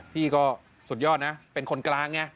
พี่ก็สุดยอดนะเป็นคนกลางไง